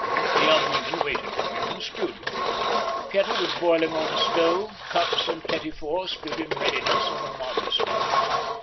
The young women waited for him in the studio. The kettle was boiling on the stove; cups and petits fours stood in readiness on a model stand.